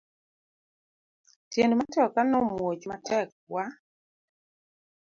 Tiend matoka no muoch matek wa.